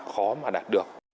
khó mà đạt được